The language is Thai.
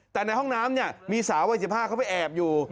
แต่ในห้องน้ำมีสาววัย๑๕เขาไปแอบอยู่